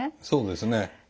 そうですね。